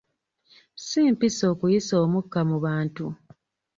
Si mpisa okuyisiza omukka mu bantu.